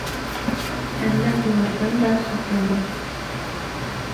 Әммә уларҙың да хаҡы бар.